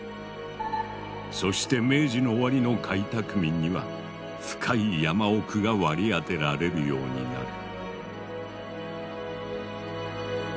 そして明治の終わりの開拓民には深い山奥が割り当てられるようになる。